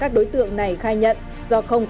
các đối tượng này khai nhận